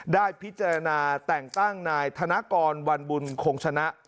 ได้พิจารณาแต่งตั้งนายธนกรวันบุญคงชนะ